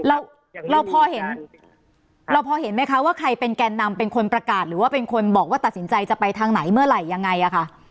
เราเราพอเห็นเราพอเห็นไหมคะว่าใครเป็นแกนนำเป็นคนประกาศหรือว่าเป็นคนบอกว่าตัดสินใจจะไปทางไหนเมื่อไหร่ยังไงอ่ะค่ะ